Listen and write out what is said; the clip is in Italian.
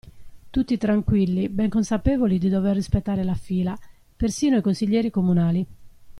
Tutti tranquilli, ben consapevoli di dover rispettare la fila, persino i consiglieri comunali.